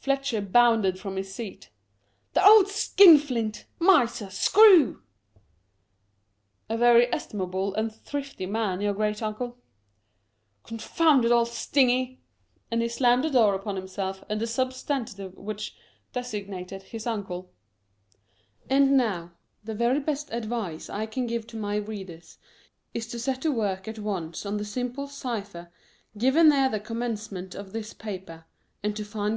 Fletcher bounded from his seat. " The old skin flint ! miser ! screw !"" A very estimable and thrifty man, your great uncle." " Confounded old stingy —," and he slammed the door upon himself and the substantive which desig nated his uncle. And now, the very best advice I can give to my readers, is to set to work at once on the simple cypher given near the commencement of this paper, and to find it out.